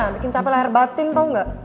bikin cape lahir batin tau gak